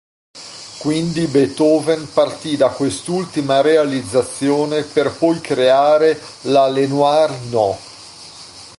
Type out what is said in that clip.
Quindi Beethoven partì da quest'ultima realizzazione per poi creare la "Leonore No.